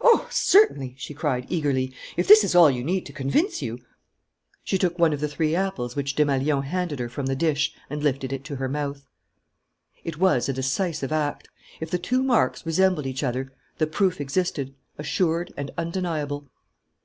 "Oh, certainly!" she cried, eagerly. "If this is all you need to convince you " She took one of the three apples which Desmalions handed her from the dish and lifted it to her mouth. It was a decisive act. If the two marks resembled each other, the proof existed, assured and undeniable.